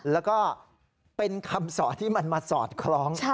แล้วก็เป็นคำสอนที่มันมาสอดคล้อง